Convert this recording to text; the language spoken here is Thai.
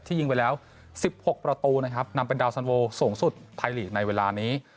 ยิงไปแล้ว๑๖ประตูนะครับนำเป็นดาวสันโวสูงสุดไทยลีกในเวลานี้